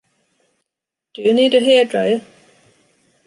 Do you need a hair dryer?